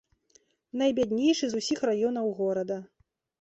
Найбяднейшы з усіх раёнаў горада.